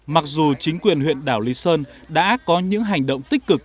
mặc dù chính quyền huyện đảo lý sơn đã có những hành động tích cực